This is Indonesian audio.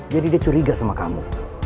jadi dia curiga sama kamu